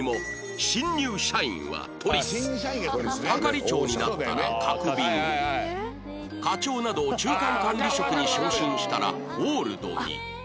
新入社員は「トリス」係長になったら「角瓶」課長など中間管理職に昇進したら「オールド」に